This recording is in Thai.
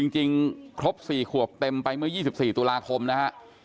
ครบ๔ขวบเต็มไปเมื่อ๒๔ตุลาคมนะฮะ